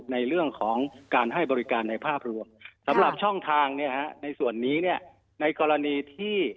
ในเรื่องของการให้บริการในภาพรวมสำหรับช่องทางเนี่ยฮะในส่วนนี้เนี่ยในกรณีที่